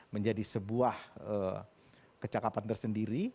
menjadi sebuah kecakapan tersendiri